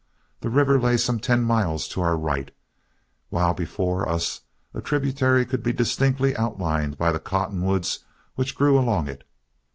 The river lay some ten miles to our right, while before us a tributary could be distinctly outlined by the cottonwoods which grew along it.